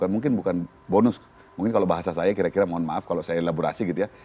mungkin bukan bonus mungkin kalau bahasa saya kira kira mohon maaf kalau saya elaborasi gitu ya